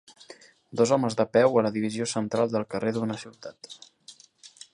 Dos homes de peu a la divisió central del carrer d'una ciutat.